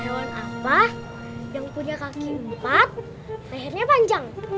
hewan apa yang punya kaki empat lehernya panjang